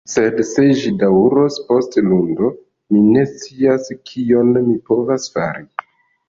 Sed, se ĝi daŭros post Lundo, mi ne scias kion mi povas fari.